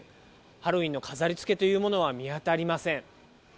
ハロウィーンの飾りつけというものは見当たりません。